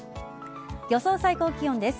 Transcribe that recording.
予想最高気温です。